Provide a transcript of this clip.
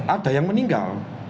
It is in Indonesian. ada yang meninggal